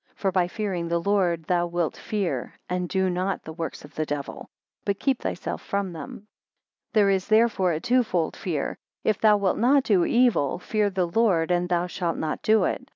For by fearing the Lord, thou wilt fear and do not the works of the Devil, but keep thyself from them. 5 There is therefore a twofold fear; if thou wilt not do evil, fear the Lord and thou shalt not do it.